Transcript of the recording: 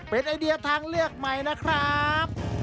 เป็นไอเดียทางเลือกใหม่นะครับ